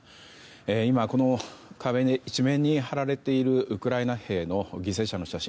今、この壁一面に貼られているウクライナ兵の犠牲者の写真。